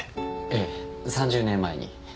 ええ３０年前に。